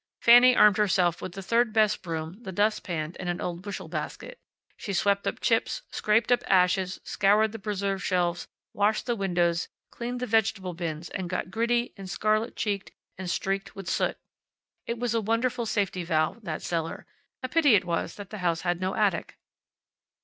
Fanny armed herself with the third best broom, the dust pan, and an old bushel basket. She swept up chips, scraped up ashes, scoured the preserve shelves, washed the windows, cleaned the vegetable bins, and got gritty, and scarlet cheeked and streaked with soot. It was a wonderful safety valve, that cellar. A pity it was that the house had no attic.